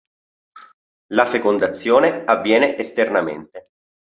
La fecondazione avviene esternamente.